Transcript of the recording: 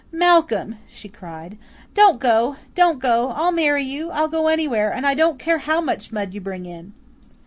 "Malcolm," she cried, "don't go don't go I'll marry you I'll go anywhere and I don't care how much mud you bring in!"